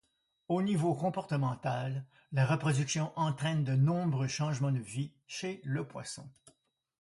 Au niveau comportemental, la reproduction entraîne de nombreux changements de vie chez le poisson.